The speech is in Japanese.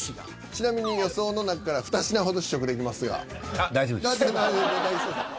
ちなみに予想の中から２品ほど試食できますが。